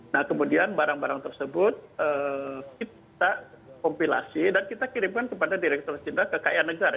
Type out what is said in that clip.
nah kemudian barang barang tersebut kita kompilasi dan kita kirimkan kepada direktur cinta kekayaan negara